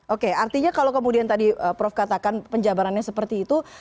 oke artinya kalau kemudian tadi prof katakan penjabarannya seperti itu